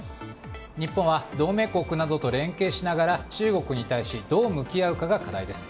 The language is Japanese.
日本は同盟国などと連携しながら中国に対しどう向き合うかが課題です。